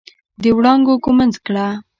د وړانګو ږمنځ کړه